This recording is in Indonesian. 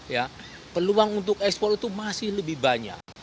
ya peluang untuk ekspor itu masih lebih banyak